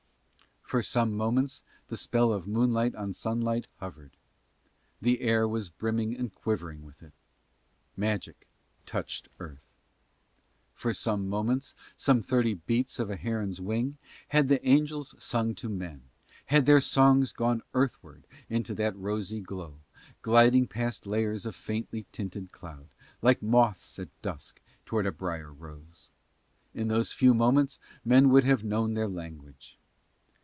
For some moments the spell of moonlight on sunlight hovered: the air was brimming and quivering with it: magic touched earth. For some moments, some thirty beats of a heron's wing, had the angels sung to men, had their songs gone earthward into that rosy glow, gliding past layers of faintly tinted cloud, like moths at dusk towards a briar rose; in those few moments men would have known their language.